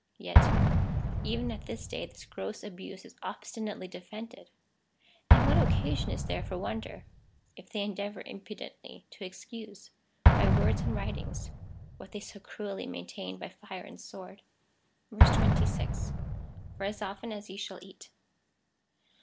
Yet even at this day this gross abuse is obstinately defended ; and what occasion is there for wonder, if they endeavour impudently to excuse, by words and Avritings, what they so cruelly maintain by fire and sword ? 26. For as often as ye shall eat.